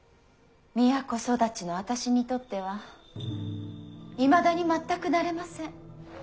都育ちの私にとってはいまだに全く慣れません。